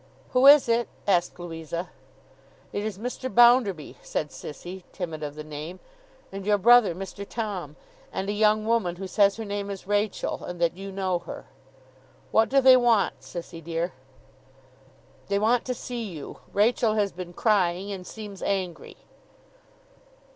'Who is it?' asked Louisa. 'It is Mr. Bounderby,' said Sissy, timid of the name, 'and your brother Mr. Tom, and a young woman who says her name is Rachael, and that you know her.' 'What do they want, Sissy dear?' 'They want to see you. Rachael has been crying, and seems angry.